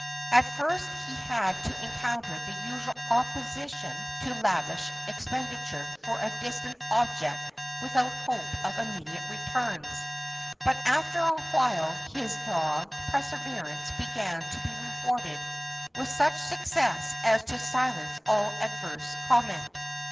At first he had to encounter the usual opposition to lavish expendi ture for a distant object without hope of immediate returns ; but after a while his dogged perseverance began to be rewarded with such success as to silence all adverse comment.